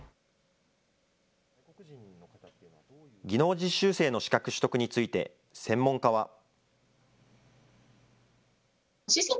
技能実習生の資格取得について、専門家は。